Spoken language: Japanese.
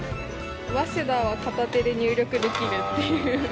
ＷＡＳＥＤＡは片手で入力できるっていう。